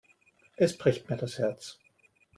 Es bricht mir das Herz.